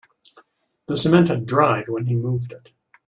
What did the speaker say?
The cement had dried when he moved it.